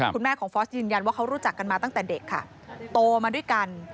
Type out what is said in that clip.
คุณแม่ของฟอสยืนยันว่าเขารู้จักกันมาตั้งแต่เด็กค่ะโตมาด้วยกัน